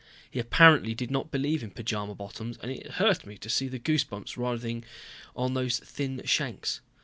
He apparently did not believe in pajama bottoms and it hurt me to see the goose bumps rising on those thin shanks.